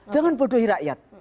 jangan bodohi rakyat